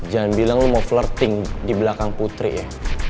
jangan bilang lo mau flirting di belakang putri ya